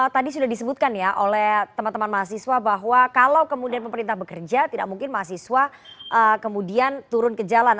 tadi sudah disebutkan ya oleh teman teman mahasiswa bahwa kalau kemudian pemerintah bekerja tidak mungkin mahasiswa kemudian turun ke jalan